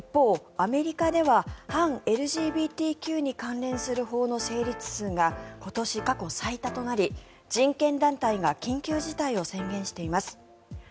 一方、アメリカでは反ＬＧＢＴＱに関する法の成立数が今年、過去最多となり人権団体が緊急事態を宣言しています。